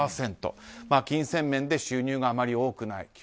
金銭面で収入があまり多くない。